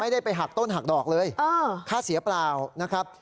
ได้ไปหักต้นหักดอกเลยค่าเสียเปล่านะครับ